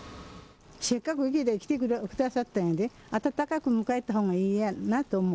せっかく池田に来てくださったんだで、温かく迎えたほうがいいやなと思う。